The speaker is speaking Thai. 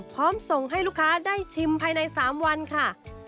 พร้อมส่งให้ลูกค้าได้ชิมภายใน๓วันค่ะ